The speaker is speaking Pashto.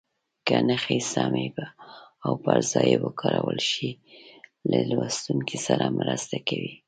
که نښې سمې او پر ځای وکارول شي له لوستونکي سره مرسته کوي.